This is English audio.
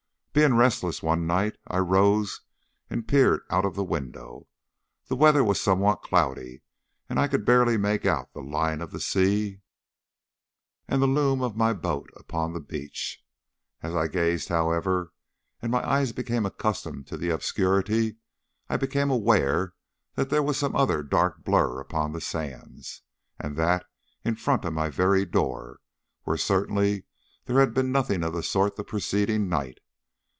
Being restless one night I rose and peered out of the window. The weather was somewhat cloudy, and I could barely make out the line of the sea, and the loom of my boat upon the beach. As I gazed, however, and my eyes became accustomed to the obscurity, I became aware that there was some other dark blur upon the sands, and that in front of my very door, where certainly there had been nothing of the sort the preceding night.